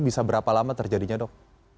bisa berapa lama terjadinya dok